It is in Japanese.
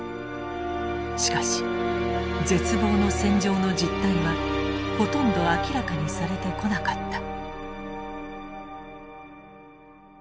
しかし絶望の戦場の実態はほとんど明らかにされてこなかった。